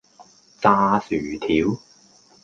炸薯條